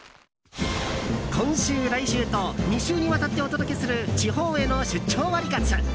今週、来週と２週にわたってお届けする地方への出張ワリカツ。